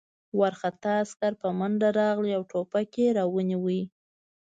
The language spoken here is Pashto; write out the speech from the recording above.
وارخطا عسکر په منډه راغی او ټوپک یې را ونیاوه